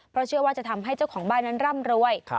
เพราะเชื่อว่าจะทำให้เจ้าของบ้านนั้นร่ำรวย